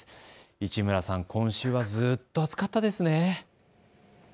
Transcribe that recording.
市村さん、今週はずっと暑かったですね。